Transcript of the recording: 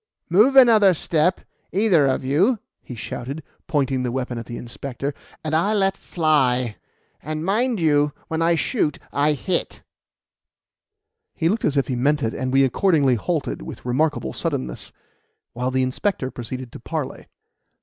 "Move another step, either of you," he shouted, pointing the weapon at the inspector, "and I let fly; and mind you, when I shoot I hit." [Illustration: THE STRANGER IS RUN TO EARTH.] He looked as if he meant it, and we accordingly halted with remarkable suddenness, while the inspector proceeded to parley.